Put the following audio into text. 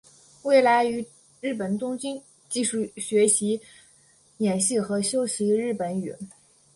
未来于日本东京继续学习演戏和修习日本语。